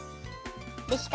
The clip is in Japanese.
できた。